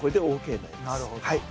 なるほど。